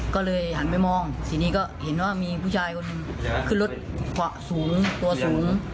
ก็เลยหันไปมองทีนี้ก็เห็นว่ามีผู้ชายคนหนึ่งขึ้นรถขวาสูงตัวสูง